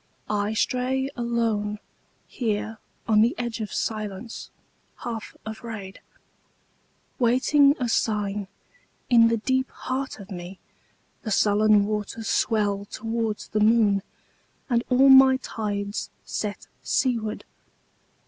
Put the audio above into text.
I stray aloneHere on the edge of silence, half afraid, Waiting a sign. In the deep heart of meThe sullen waters swell towards the moon, And all my tides set seaward.